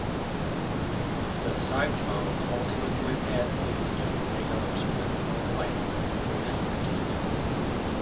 The cyclone ultimately passed east of Mayotte with only minor impacts.